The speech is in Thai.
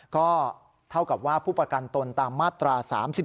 ก็เท่ากับว่าผู้ประกันตนตามมาตรา๓๔